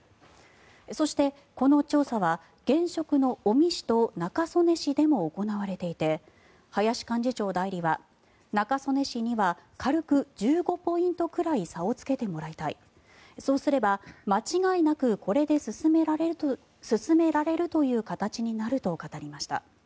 そして、この調査は現職の尾身氏と中曽根氏でも行われていて林幹事長代理は、中曽根氏には軽く１５ポイントくらい差をつけてもらいたいそうすれば間違いなく、これで進められるという形になると語りました。